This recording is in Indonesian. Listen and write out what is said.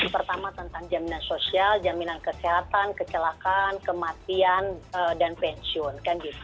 pertama tentang jaminan sosial jaminan kesehatan kecelakaan kematian dan pensiun